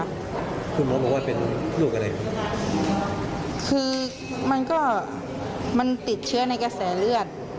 คุณหมอบอกว่าเป็นโรคอะไรคือมันก็มันติดเชื้อในกระแสเลือด